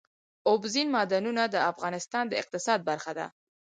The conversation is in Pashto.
اوبزین معدنونه د افغانستان د اقتصاد برخه ده.